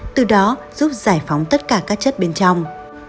từ đó giúp giải phóng tất cả các chất bên trong